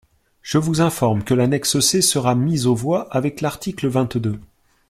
Je vous informe que l’annexe C sera mise aux voix avec l’article vingt-deux.